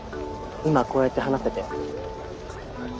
今こうやって話せて。